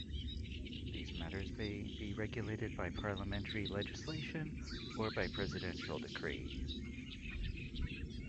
These matters may be regulated by parliamentary legislation or by presidential decree.